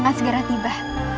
akan segera tiba